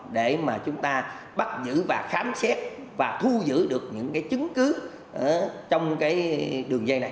để mà chúng ta bắt giữ và khám xét và thu giữ được những cái chứng cứ trong cái đường dây này